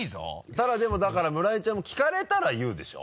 ただでもだから村井ちゃんも聞かれたら言うでしょ？